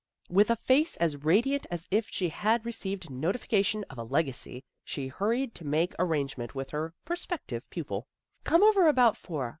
With a face as radiant as if she had just received noti fication of a legacy, she hurried to make ar rangements with her prospective pupil. " Come over about four.